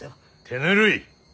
手ぬるい。